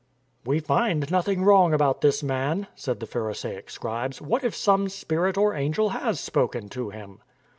" We find nothing wrong about this man," said the Pharisaic scribes. " What if some spirit or angel has spoken to him?